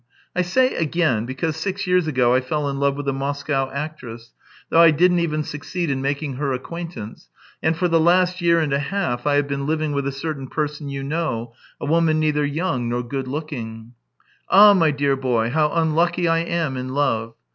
I say again, because six years ago I fell in love with a Moscow actress, though I didn't even succeed in making her acquaintance, and for the last year and a half I have been living with a certain person you know — a woman neither young nor good looking. Ah, my dear boy, how unlucky I am in love.